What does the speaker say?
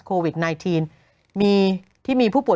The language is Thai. โหยวายโหยวายโหยวาย